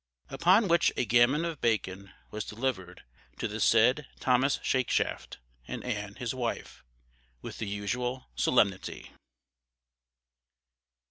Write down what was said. Upon which a gammon of bacon was delivered to the said Thomas Shakeshaft, and Ann his wife, with the usual solemnity.